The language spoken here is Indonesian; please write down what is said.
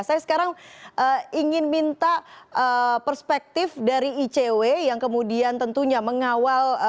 saya sekarang ingin minta perspektif dari icw yang kemudian tentunya mengawal